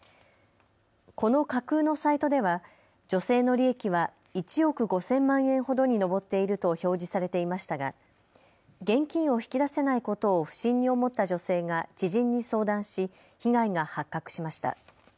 この架空のサイトでは女性の利益は１億５０００万円ほどに上っていると表示されていましたが現金を引き出せないことを不審に思った女性が知人に相談し被害が発覚しました。